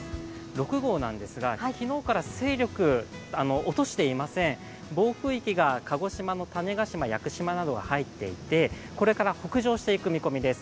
６号なんですが、昨日から勢力を落としていません、暴風域、屋久島などが入っていて、これから北上していく見込みです。